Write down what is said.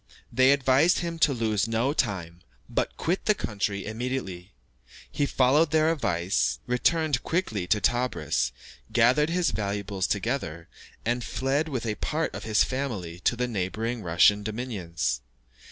They advised him to lose no time, but quit the country immediately. He followed their advice, returned quickly to Tebris, gathered his valuables together, and fled with a part of his family to the neighbouring Russian dominions.